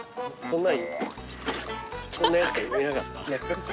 こんなやついなかった？